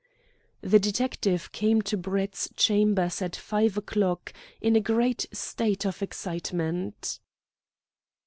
The detective came to Brett's chambers at five o'clock, in a great state of excitement.